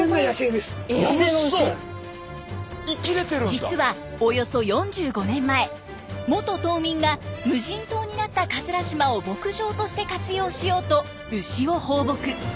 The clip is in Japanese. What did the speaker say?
実はおよそ４５年前元島民が無人島になった島を牧場として活用しようと牛を放牧。